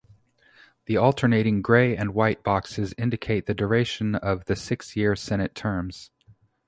The alternating grey and white boxes indicate the duration of the six-year Senate terms.